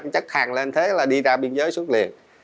chất hàng lên thế là đi ra biên giới xuất liền